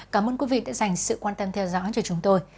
cảm ơn quý vị đã dành sự quan tâm theo dõi cho chúng tôi